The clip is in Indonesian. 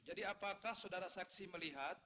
jadi apakah saudara saksi melihat